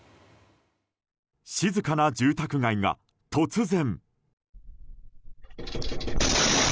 静かな住宅街が突然。